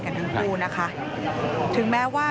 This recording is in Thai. พบหน้าลูกแบบเป็นร่างไร้วิญญาณ